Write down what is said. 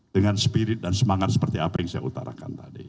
dengan spirit dan semangat seperti apa yang saya utarakan tadi